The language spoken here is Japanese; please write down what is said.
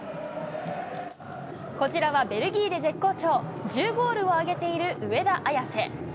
こちらはベルギーで絶好調、１０ゴールを挙げている上田綺世。